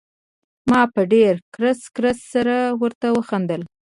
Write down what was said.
ما په ډېر کړس کړس سره ورته وخندل.